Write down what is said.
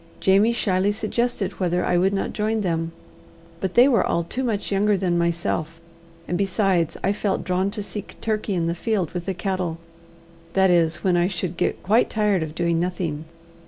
Jamie shyly suggested whether I would not join them, but they were all too much younger than myself; and besides I felt drawn to seek Turkey in the field with the cattle that is, when I should get quite tired of doing nothing.